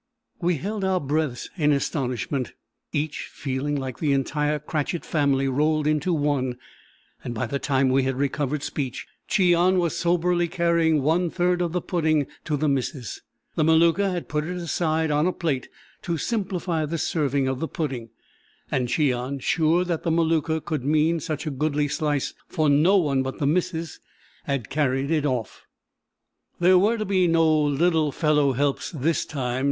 We held our breaths in astonishment, each feeling like the entire Cratchit family rolled into one, and by the time we had recovered speech, Cheon was soberly carrying one third of the pudding to the missus. The Maluka had put it aside on a plate to simplify the serving of the pudding, and Cheon, sure that the Maluka could mean such a goodly slice for no one but the missus, had carried it off. There were to be no "little fellow helps" this time.